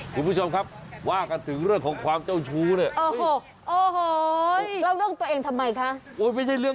คุณผู้ชมครับว่ากันถึงเรื่องของความเจ้าชู้เนี่ย